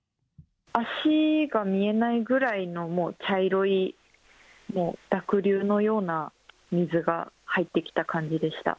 足が見えないぐらいのもう茶色い濁流のような水が入ってきた感じでした。